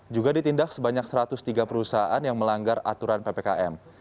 juga ditindak sebanyak satu ratus tiga perusahaan yang melanggar aturan ppkm